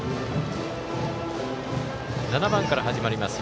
７番から始まります。